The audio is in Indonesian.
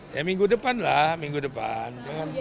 ya minggu depan lah minggu depan